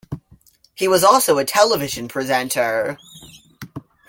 He was also a television presenter.